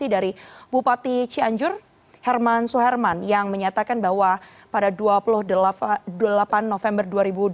dari bupati cianjur herman suherman yang menyatakan bahwa pada dua puluh delapan november dua ribu dua puluh